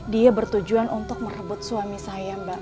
dia bertujuan untuk merebut suami saya mbak